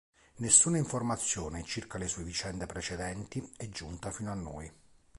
Nessuna informazione circa le sue vicende precedenti è giunta fino a noi.